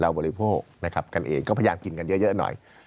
บริโภคนะครับกันเองก็พยายามกินกันเยอะหน่อย